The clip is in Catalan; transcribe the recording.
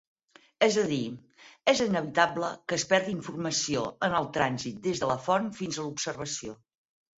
És a dir, és inevitable que es perdi informació en el trànsit des de la font fins a l'observació.